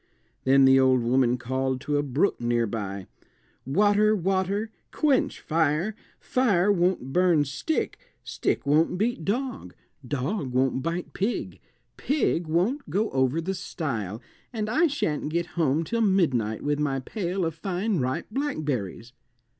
Then the old woman called to a brook near by, "Water, water, quench fire; fire won't burn stick, stick won't beat dog, dog won't bite pig, pig won't go over the stile, and I shan't get home till midnight with my pail of fine ripe blackberries."